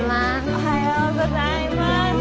おはようございます。